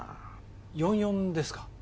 ４４ですか？